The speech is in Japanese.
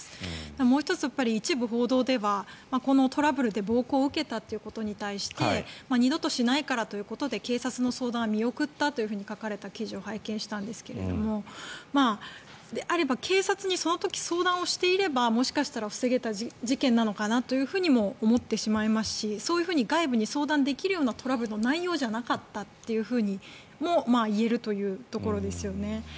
もう１つ、一部報道ではこのトラブルで暴行を受けたということに対して二度としないからということで警察の相談は見送ったというふうに書かれた記事を拝見したんですがであれば警察にその時、相談していればもしかしたら防げた事件なのかなとも思ってしまいますしそういうふうに外部に相談できるようなトラブルの内容じゃなかったともいえるというところですよね。